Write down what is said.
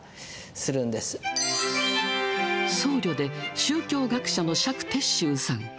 宗教学者の釈徹宗さん。